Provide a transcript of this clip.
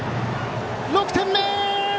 ６点目！